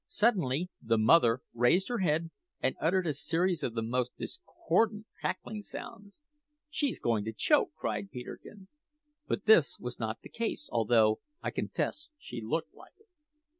Suddenly the mother raised her head and uttered a series of the most discordant cackling sounds. "She's going to choke," cried Peterkin. But this was not the case, although, I confess, she looked like it.